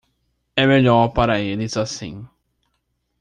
É melhor para eles assim.